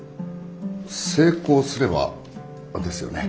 成功すればですよね？